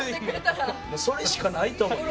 それしかない思う。